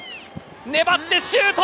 狙ってシュート。